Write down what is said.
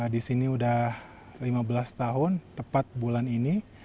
di sini udah lima belas tahun tepat bulan ini